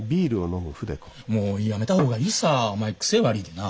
もうやめた方がいいさお前癖悪いでな。